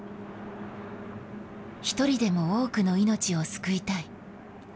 一人でも多くの命を救いたい。